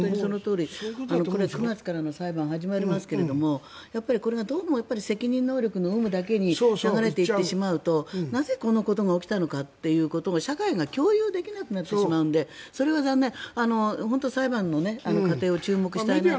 ９月から裁判始まりますけどこれがどうも責任能力の有無だけに流れていってしまうとなぜ、このことが起きたということが社会が共有できなくなってしまうのでそれは残念で本当に裁判の過程を注目したいなと。